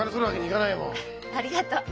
ありがとう。